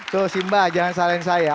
tuh simbah jangan salahin saya